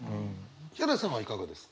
ヒャダさんはいかがですか？